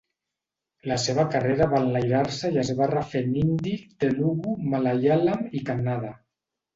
La seva carrera va enlairar-se i es va refer en hindi, telugu, malaiàlam i kannada.